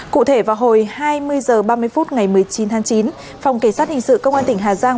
cụ thể vào hồi hai mươi h ba mươi phút ngày một mươi chín tháng chín phòng cảnh sát hình sự công an tỉnh hà giang